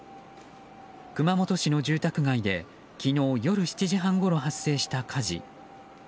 熊本市の住宅街で昨日夜７時半ごろ発生した火事。